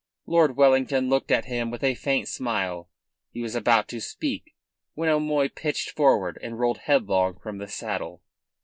Lord Wellington looked at him with a faint smile. He was about to speak when O'Moy pitched forward and rolled headlong from the saddle.